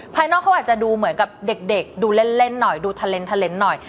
ภายนอกเขาอาจจะดูเหมือนกับเด็กดูเล่นหน่อยดูทะเลนส์หน่อย